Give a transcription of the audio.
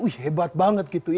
wih hebat banget gitu